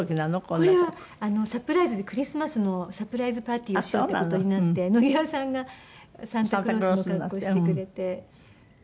これはサプライズでクリスマスのサプライズパーティーをしようっていう事になって野際さんがサンタクロースの格好してくれて。